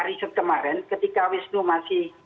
riset kemarin ketika wisnu masih